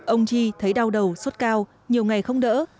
ông chi thấy đau đầu suốt cao nhiều ngày không đỡ